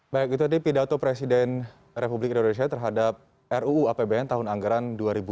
baik itu tadi pidato presiden republik indonesia terhadap ruu apbn tahun anggaran dua ribu delapan belas